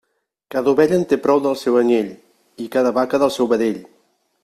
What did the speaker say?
Cada ovella en té prou del seu anyell, i cada vaca del seu vedell.